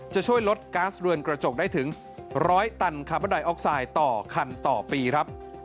จะช่วยลดก๊าซเรือนกระจกได้ถึง๑๐๐ตันคาร์บอนไดออกไซด์ต่อคันต่อปีครับ